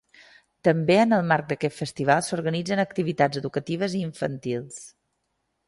També en el marc d'aquest festival s'organitzen activitats educatives i infantils.